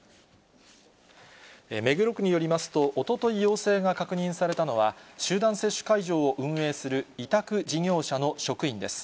目黒区によりますと、おととい陽性が確認されたのは、集団接種会場を運営する委託事業者の職員です。